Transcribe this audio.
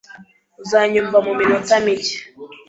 Uzanyumva muminota mike?